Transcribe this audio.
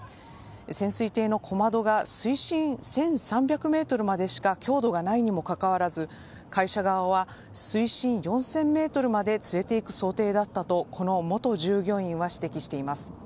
潜水艇の小窓が水深１３００ｍまでしか強度がないにもかかわらず会社側は水深４０００ｍまで連れて行く想定だったとこの元従業員は指摘しています。